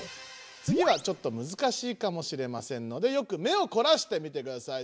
つぎはちょっとむずかしいかもしれませんのでよく目をこらして見てください。